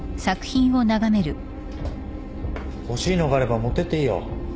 欲しいのがあれば持ってっていいよ。